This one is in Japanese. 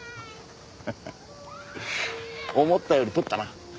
ハハハ思ったより取ったな。